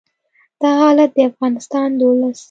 دا حالت د افغانستان د ولس